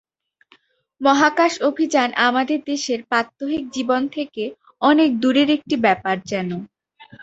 মহাকাশ অভিযান আমাদের দেশের প্রাত্যহিক জীবন থেকে অনেক দূরের একটি ব্যাপার যেন।